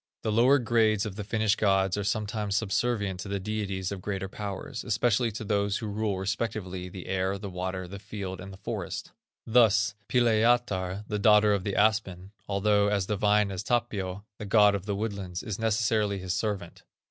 The lower grades of the Finnish gods are sometimes subservient to the deities of greater powers, especially to those who rule respectively the air, the water, the field, and the forest. Thus, Pilajatar, the daughter of the aspen, although as divine as Tapio, the god of the woodlands, is necessarily his servant.